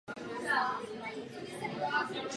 Nejvyšší návštěvnost si držel tři týdny.